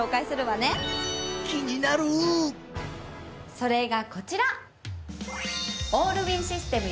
それがこちら。